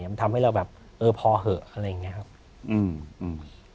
มันทำให้เราแบบเออพอเหอะอะไรอย่างเงี้ยครับอืม